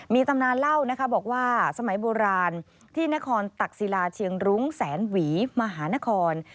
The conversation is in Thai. มีตำนานเล่านะคะบอกว่าสมัยโบราณที่นครตักศิลาเชียงรุ้งแสนหวีมหานคร